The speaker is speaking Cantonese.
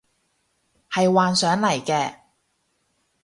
係幻想嚟嘅